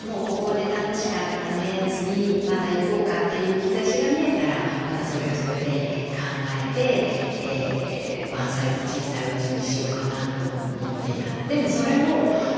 次またいこうか」という兆しが見えたらまたそれはそれで考えてワンサイズ小さいおうちにしようかなと思っています。